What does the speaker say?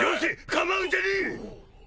構うんじゃねえ！